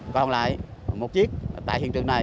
còn lại một chiếc tại hiện trường này